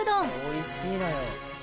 「おいしいのよ」